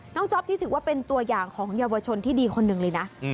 จ๊อปที่ถือว่าเป็นตัวอย่างของเยาวชนที่ดีคนหนึ่งเลยนะ